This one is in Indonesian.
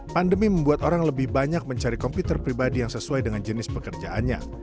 pandemi membuat orang lebih banyak mencari komputer pribadi yang sesuai dengan jenis pekerjaannya